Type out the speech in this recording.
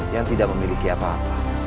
yang tidak memiliki apa apa